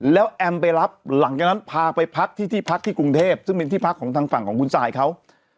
แล้วแอมไปรับหลังจากนั้นพาไปพักที่ที่พักที่กรุงเทพซึ่งเป็นที่พักของทางฝั่งของคุณสายเขา